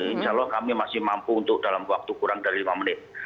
insya allah kami masih mampu untuk dalam waktu kurang dari lima menit